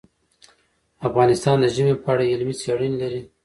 افغانستان د ژمی په اړه علمي څېړنې لري.